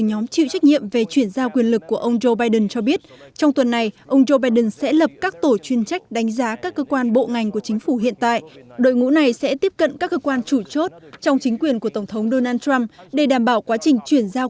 nhóm chuyển giao quyền lực của các tổng thống đắc cử sẽ chỉ có bảy mươi tám ngày để thực hiện các công tác chuyển giao